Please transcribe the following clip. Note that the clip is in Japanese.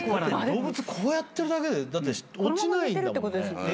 動物こうやってるだけで落ちないんだもんね。